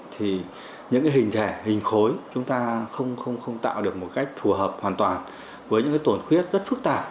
thì những hình thể hình khối chúng ta không tạo được một cách phù hợp hoàn toàn với những tổn khuyết rất phức tạp